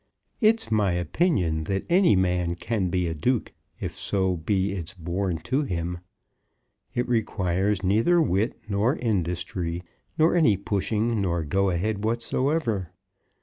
It's my opinion that any man can be a duke if so be it's born to him. It requires neither wit nor industry, nor any pushing nor go ahead whatsoever.